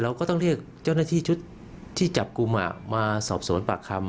วันนี้จับกุมคือกลมสอบสวน